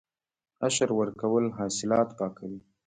عشر ورکول حاصلات پاکوي.